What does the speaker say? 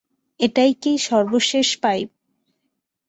এটাই কি সর্বশেষ পাইপ?